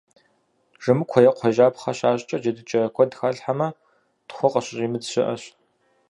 Жэмыкуэ е кхъуейжьапхъэ щащӏкӏэ джэдыкӏэ куэд халъхьэмэ, тхъу къыщыщӏимыдз щыӏэщ.